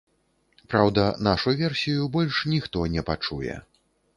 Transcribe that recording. Праўда, нашу версію больш ніхто не пачуе.